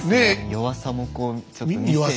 弱さもこうちょっと見せて。